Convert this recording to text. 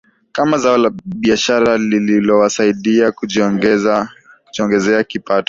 kama zao la biashara lililowasaidia kujiongezea kipato